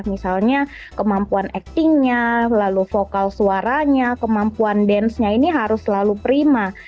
misalnya kemampuan actingnya lalu vokal suaranya kemampuan dance nya ini harus selalu prima